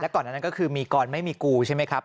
ก่อนนั้นก็คือมีกรไม่มีกูใช่ไหมครับ